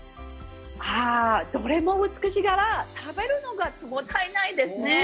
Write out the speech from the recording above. どれも美しいから、食べるのがもったいないですね。